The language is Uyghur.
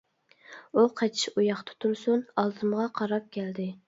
ئۇ قېچىش ئۇياقتا تۇرسۇن ئالدىمغا قاراپ كەلدى.